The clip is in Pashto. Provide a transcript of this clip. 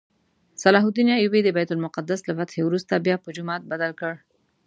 صلاح الدین ایوبي د بیت المقدس له فتحې وروسته بیا په جومات بدل کړ.